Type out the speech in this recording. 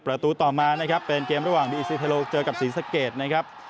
ต่อมานะครับเป็นเกมระหว่างบีซีเทโลเจอกับศรีสะเกดนะครับ